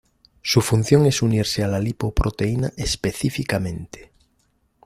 Su función es unirse a la lipoproteína específicamente.